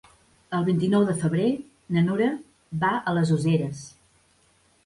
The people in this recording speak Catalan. El vint-i-nou de febrer na Nura va a les Useres.